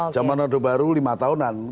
zaman orde baru lima tahunan